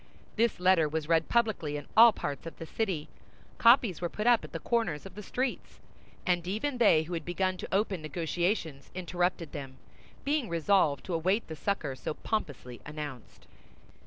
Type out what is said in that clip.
This letter was read publicly in all parts of the city. Copies were put up at the corners of the streets; and even they who had begun to open negotiations interrupted them, being resolved to await the succor so pompously announced.